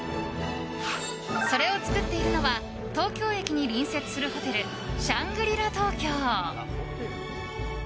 それを作っているのは東京駅に隣接するホテルシャングリ・ラ東京。